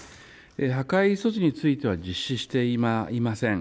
破壊措置については実施していません。